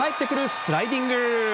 スライディング！